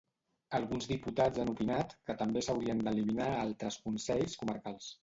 Alguns diputats han opinat que també s'haurien d'eliminar altres consells comarcals.